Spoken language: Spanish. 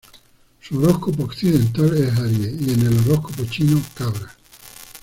Su horóscopo occidental es Aries y en el horóscopo chino, Cabra.